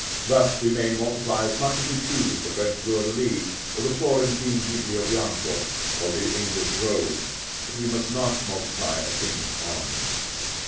Thus we may multiply as much as we choose the French fleur de lis, or the Florentine giglio bianco, or the English rose; but we must not multiply a King's arms.